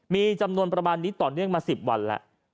มีจำนวนประมาณนี้ต่อเนื่องมา๑๐วันแล้ว